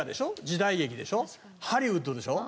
時代劇でしょハリウッドでしょ。